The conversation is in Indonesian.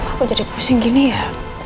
aku jadi pusing gini ya